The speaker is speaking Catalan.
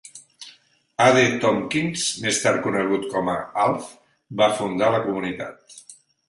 A. D. Tompkins, més tard conegut com a "Alf", va fundar la comunitat.